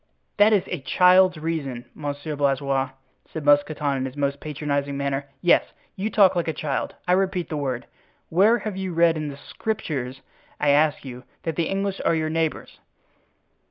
'" "That is a child's reason, Monsieur Blaisois," said Mousqueton in his most patronizing manner. "Yes, you talk like a child—I repeat the word. Where have you read in the Scriptures, I ask you, that the English are your neighbors?"